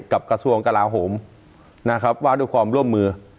กระทรวงกลาโหมนะครับว่าด้วยความร่วมมือ